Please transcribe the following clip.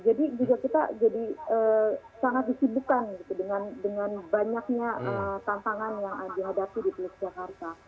jadi juga kita sangat disibukan dengan banyaknya tantangan yang dihadapi di pulau jakarta